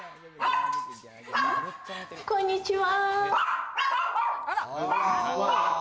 こんにちは。